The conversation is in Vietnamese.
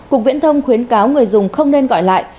cục viễn thông khuyến cáo người dùng không nên gọi lại